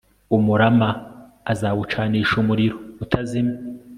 umurama azawucanisha umuriro utazima